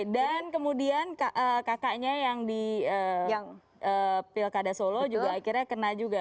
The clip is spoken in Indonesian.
dan kemudian kakaknya yang di pilkada solo juga akhirnya kena juga